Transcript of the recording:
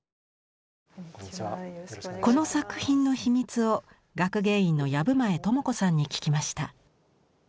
この作品の秘密を学芸員の藪前知子さんに聞きました。